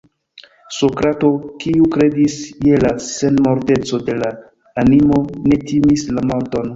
Sokrato, kiu kredis je la senmorteco de la animo, ne timis la morton.